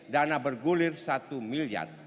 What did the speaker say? dana bergulir satu miliar